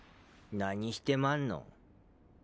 何してまんの？